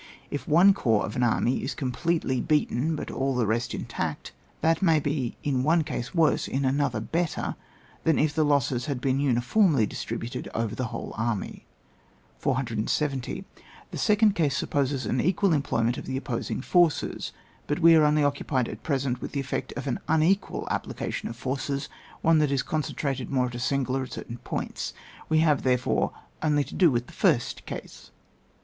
If one corps of an army is com pletely beaten but all the rest intact, that may be in one case worse, in another better than if the losses had been uni fonnly distributed over the whole army. 470. The second case supposes <zra e^t^a/ employment of the opposing forces ; but we are only occupied at present with .the effect of an tfnequal application of forces, one that is concentrated more at a single or at certain points ; we have, therefore, only to do with the first case.